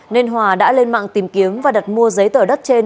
nên hòa đã lên mạng tìm kiếm và đặt mua giấy tờ đất trên